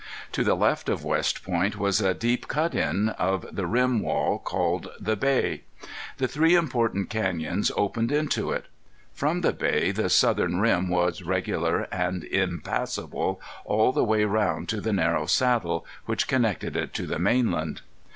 To the left of West Point was a deep cut in of the rim wall, called the Bay. The three important canyons opened into it. From the Bay, the south rim was regular and impassable all the way round to the narrow Saddle, which connected it to the mainland.